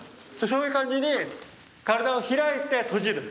そういう感じに身体を開いて閉じる。